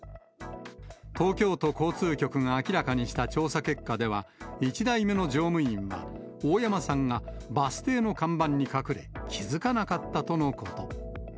東京都交通局が明らかにした調査結果では、１台目の乗務員は、大山さんがバス停の看板に隠れ、気付かなかったとのこと。